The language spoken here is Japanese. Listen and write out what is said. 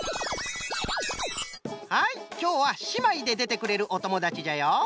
はいきょうはしまいででてくれるおともだちじゃよ。